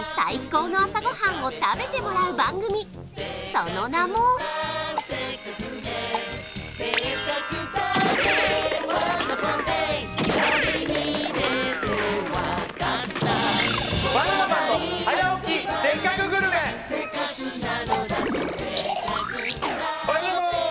その名もおはようございまーす！